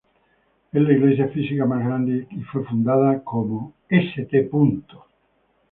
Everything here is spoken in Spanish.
Es la iglesia física más grande y fue fundada como St.